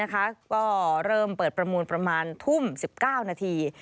ก็เริ่มเปิดประมูลประมาณทุ่ม๑๙นาที